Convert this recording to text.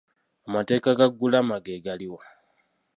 Amateeka ga ggulama ge gali wa?